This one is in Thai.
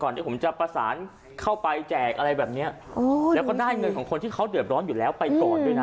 เดี๋ยวผมจะประสานเข้าไปแจกอะไรแบบเนี้ยอ๋อแล้วก็ได้เงินของคนที่เขาเดือดร้อนอยู่แล้วไปก่อนด้วยนะ